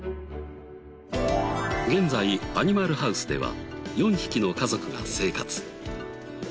現在アニマルハウスでは４匹の家族が生活。